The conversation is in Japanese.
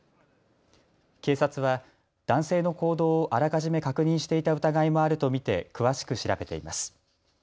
警察は男性の行動をあらかじめ確認していた疑いもあると見て詳しく調べています。